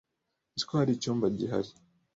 Nzi ko hari icyumba gihari.